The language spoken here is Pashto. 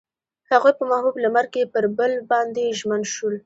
هغوی په محبوب لمر کې پر بل باندې ژمن شول.